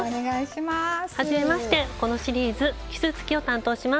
はじめましてこのシリーズ奇数月を担当します。